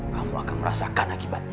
kamu akan merasakan akibatnya